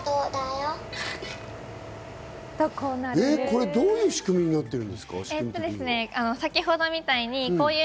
これどういう仕組みになってるんですか？